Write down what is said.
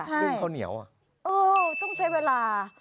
ดึงข้าวเหนียวอ่ะเออต้องใช้เวลา